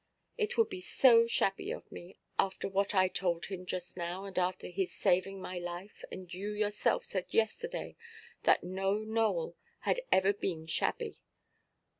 It would be so shabby of me, after what I told him just now, and after his saving my life; and you yourself said yesterday that no Nowell had ever been shabby.